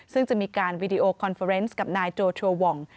ซึ่งจะมีการวีดีโอคอนเฟอร์เนสกับนายโจทัววอง